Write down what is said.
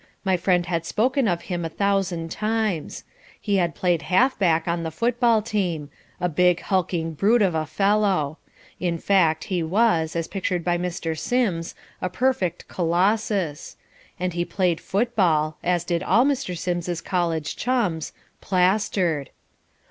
My friend had spoken of him a thousand times. He had played half back on the football team a big hulking brute of a fellow. In fact, he was, as pictured by Mr. Sims, a perfect colossus. And he played football as did all Mr. Sims's college chums "plastered."